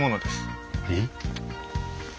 えっ？